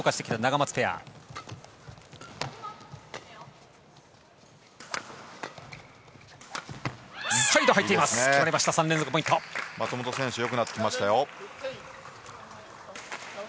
松本選手良くなってきましたよ。